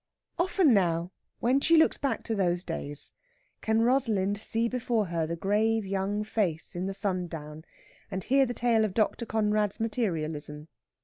Often now when she looks back to those days can Rosalind see before her the grave young face in the sundown, and hear the tale of Dr. Conrad's materialism.